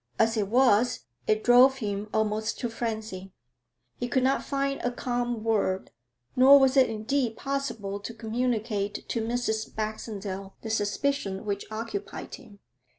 As it was, it drove him almost to frenzy. He could not find a calm word, nor was it indeed possible to communicate to Mrs. Baxendale the suspicion which occupied him.